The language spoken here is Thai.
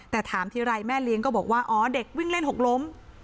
แต่ถามทีไรแม่เลี้ยงก็บอกว่าอ๋อเด็กวิ่งเล่นหกล้ม